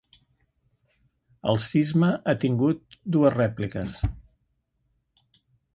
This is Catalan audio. El sisme ha tingut dues rèpliques.